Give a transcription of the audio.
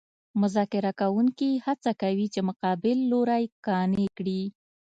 مذاکره کوونکي هڅه کوي چې مقابل لوری قانع کړي